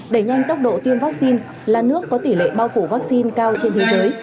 đẩy nhanh tốc độ tiêm vaccine là nước có tỷ lệ bao phủ vaccine cao trên thế giới